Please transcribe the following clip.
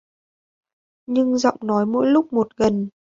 Nhưng giọng nói mỗi lúc một gần